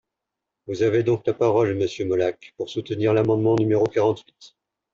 Vous avez donc la parole, monsieur Molac, pour soutenir l’amendement numéro quarante-huit.